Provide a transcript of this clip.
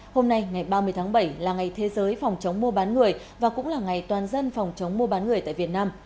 hôm nay ngày ba mươi tháng bảy là ngày thế giới phòng chống mua bán người và cũng là ngày toàn dân phòng chống mua bán người tại việt nam